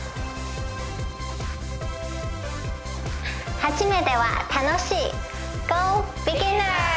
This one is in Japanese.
初めては楽しい。